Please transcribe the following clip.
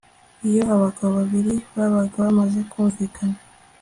iyo abagabo babiri babaga bamaze kumvikana